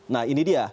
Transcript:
nah ini dia